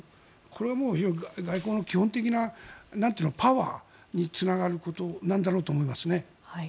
これも外交の基本的なパワーにつながることなんだろうと思います。